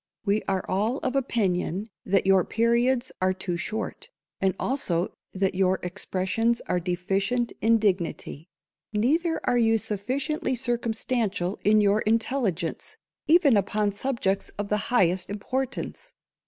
We are all of opinion, that your periods are too short, and also that your expressions are deficient in dignity. Neither are you sufficiently circumstantial in your intelligence, even upon subjects of the highest _importance.